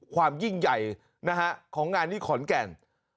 ความยิ่งใหญ่ของงานนี้ขอนแก่น